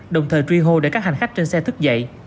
đồng thời truy hô để các hành khách trên xe thức dậy